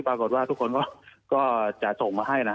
ปรากฏว่าทุกคนก็จะส่งมาให้นะ